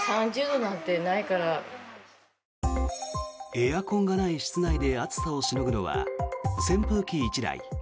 エアコンがない室内で暑さをしのぐのは扇風機１台。